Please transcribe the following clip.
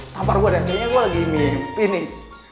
tampar gue deh kayaknya gue lagi mimpi nih